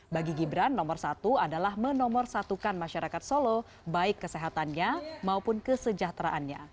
bagi gibran nomor satu adalah menomorsatukan masyarakat solo baik kesehatannya maupun kesejahteraannya